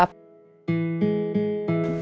เกาะยอด